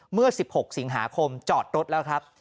เมื่อ๑๖สิงหาคมจอดรถแล้วครับ